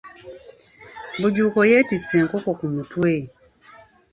Bujuuko yetiise enkoko ku mutwe.